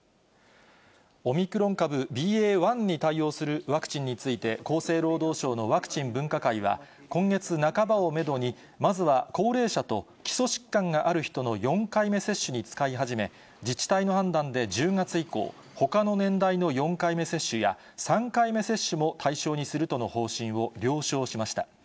オミクロン株ＢＡ．１に対応するワクチンについて、厚生労働省のワクチン分科会は、今月半ばをメドに、まずは高齢者と基礎疾患がある人の４回目接種に使い始め、自治体の判断で１０月以降、ほかの年代の４回目接種や、３回目接種も対象にするとの方針を了承しました。